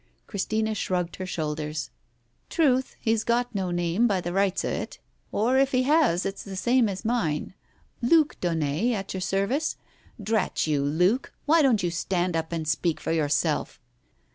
Christina shrugged her shoulders. "Truth, he's got no name, by the rights of it. Or if he has, it's the same as mine. Luke Daunet, at your service. Drat you, Luke, why don't you stand up and speak for yourself